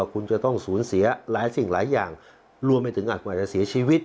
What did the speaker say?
คุณจะต้องสูญเสียหลายสิ่งหลายอย่างรวมไปถึงอาจกว่าจะเสียชีวิต